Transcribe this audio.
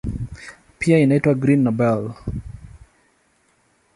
Pia inaitwa "Green Nobel".